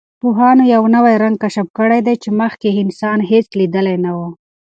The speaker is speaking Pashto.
پوهانو یوه نوی رنګ کشف کړی دی چې مخکې انسان هېڅ لیدلی نه و.